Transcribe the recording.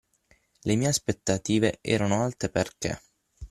Le mie aspettative erano alte perché